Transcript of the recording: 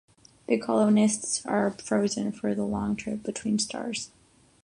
The colonists are frozen for the long trip between stars.